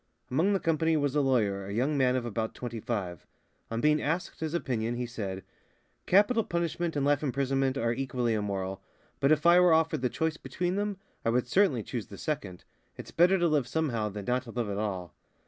Among the company was a lawyer, a young man of about twenty five. On being asked his opinion, he said: "Capital punishment and life imprisonment are equally immoral; but if I were offered the choice between them, I would certainly choose the second. It's better to live somehow than not to live at all."